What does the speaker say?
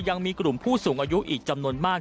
ยังมีกลุ่มผู้สูงอายุอีกจำนวนมาก